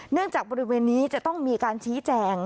จากบริเวณนี้จะต้องมีการชี้แจง